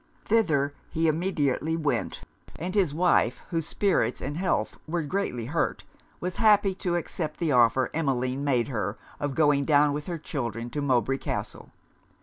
Thither he immediately went; and his wife, whose spirits and health were greatly hurt, was happy to accept the offer Emmeline made her of going down with her children to Mowbray Castle.